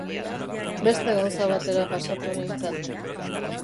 Beste gauza batera pasatu nintzen.